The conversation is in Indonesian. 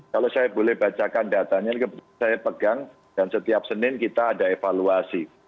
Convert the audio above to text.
kalau saya boleh bacakan datanya saya pegang dan setiap senin kita ada evaluasi